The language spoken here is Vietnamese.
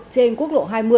trên quốc lộ hai mươi